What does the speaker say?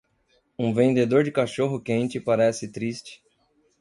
Um vendedor de cachorro-quente parece triste